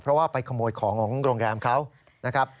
เพราะว่าไปขโมยของของโรงแรมเขา